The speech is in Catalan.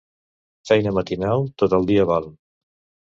Feina matinal, tot el dia val.